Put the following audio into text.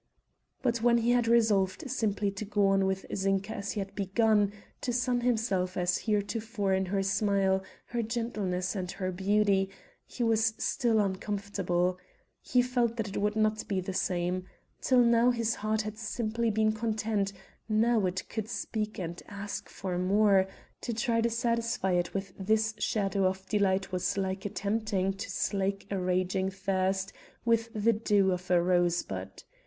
But when he had resolved simply to go on with Zinka as he had begun, to sun himself as heretofore in her smile, her gentleness, and her beauty, he was still uncomfortable. He felt that it would not be the same. Till now his heart had simply been content, now it could speak and ask for more; to try to satisfy it with this shadow of delight was like attempting to slake a raging thirst with the dew off a rosebud.